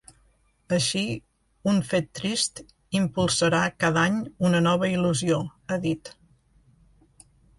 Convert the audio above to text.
Així, un fet trist impulsarà cada any una nova il·lusió, ha dit.